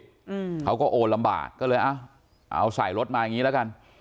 อืมเขาก็โอนลำบากก็เลยอ่ะเอาใส่รถมาอย่างงี้แล้วกัน